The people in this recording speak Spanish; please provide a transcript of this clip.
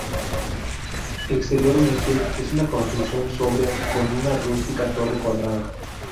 Exteriormente es una construcción sobria con una rústica torre cuadrada.